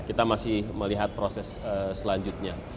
kita masih melihat proses selanjutnya